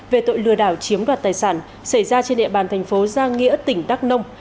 về tội lừa đảo chiếm đoạt tài sản xảy ra trên địa bàn thành phố giang nghĩa tỉnh đắk nông